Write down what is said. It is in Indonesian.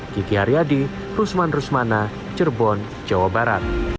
gigi haryadi rusman rusmana cerbon jawa barat